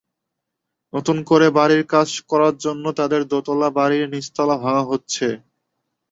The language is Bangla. নতুন করে বাড়ির কাজ করার জন্য তাঁদের দোতলা বাড়ির নিচতলা ভাঙা হয়েছে।